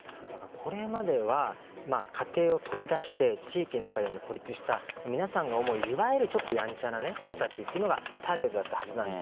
これまでは家庭を飛び出して地域の中でも孤立した皆さんが思ういわゆるちょっとやんちゃな子たちというのがターゲットだったはずなんです。